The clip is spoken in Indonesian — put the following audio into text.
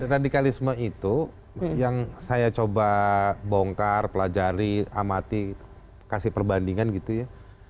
radikalisme itu yang saya coba bongkar pelajari amati kasih perbandingan gitu ya